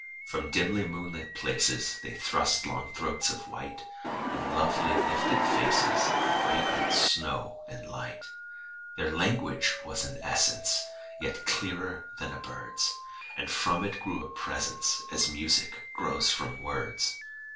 From dimly moonlit places They thrust long throats of white, And lovely lifted faces Of fragrant snow and light. Their language was an essence, Yet clearer than a bird's; And from it grew a presence As music grows from words.